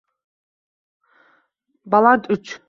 Baland uch